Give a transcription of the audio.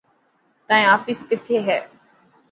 تائن آفيس ڪٿي هي.